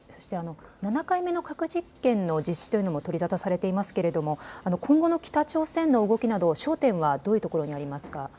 ７回目の核実験の実施というのも取り沙汰されていますが今後の北朝鮮の動きなど焦点はどういうところになりますか。